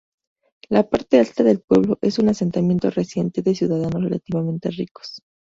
La parte alta del pueblo, es un asentamiento reciente de ciudadanos relativamente ricos.